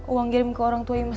uang kirim ke orang tua imas